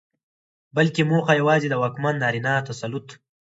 بلکې موخه يواځې د واکمن نارينه تسلط